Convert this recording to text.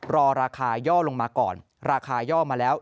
รอราคาย่อลงมาก่อนราคาย่อมาแล้ว